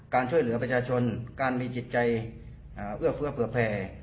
การช่วยเหลือประชาชนการมีจิตใจเอื้อเฟื้อเผื่อแผ่